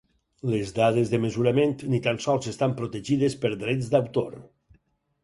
Les dades de mesurament ni tan sols estan protegides per drets d'autor.